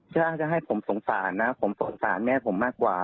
จ้างจะให้ผมสงสารนะผมสงสารแม่ผมมากกว่า